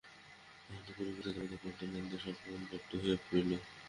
অন্তঃপুরে বৃদ্ধাদের মধ্যে ক্রন্দনের সংক্রামক ব্যাপ্ত হইয়া পড়িল।